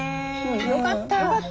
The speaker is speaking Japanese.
よかった。